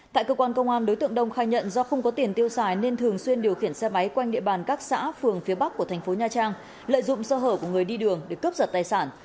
tại cơ quan công an đối tượng đông khai nhận do không có tiền tiêu xài nên thường xuyên điều khiển xe máy quanh địa bàn các xã phường phía bắc của thành phố nha trang lợi dụng sơ hở của người đi đường để cướp giật tài sản